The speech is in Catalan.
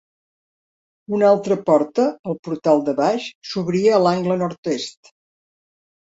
Una altra porta, el Portal de Baix, s'obria a l'angle nord-est.